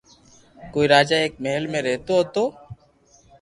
ڪوئي راجا ايڪ مھل ۾ رھتو ھتو